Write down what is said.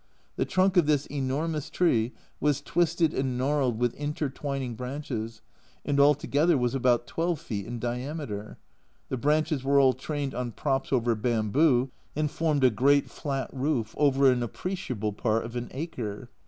The trunk of this enormous tree was twisted and gnarled with inter twining branches, and all together was about 12 feet in diameter. The branches were all trained on props over bamboo, and formed a great flat roof, over an appreciable part of an acre